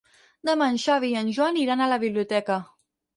Demà en Xavi i en Joan iran a la biblioteca.